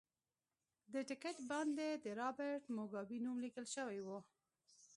د ټکټ باندې د رابرټ موګابي نوم لیکل شوی و.